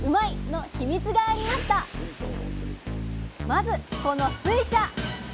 まずこの水車！